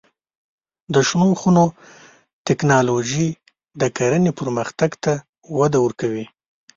د شنو خونو تکنالوژي د کرنې پرمختګ ته وده ورکوي.